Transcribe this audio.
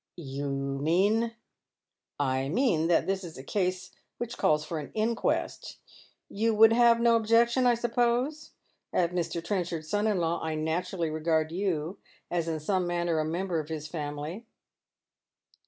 " You mean "" I mean that this is a case which calls for an inquest. Tor would have no objection, I suppose ? As Mr. Trenchard's son in law, I naturally regard you as in some manner a member of his family."